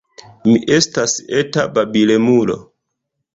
Mi estas eta babilemulo.